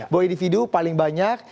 boy individu paling banyak